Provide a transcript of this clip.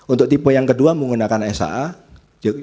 untuk tipe yang kedua menggunakan sa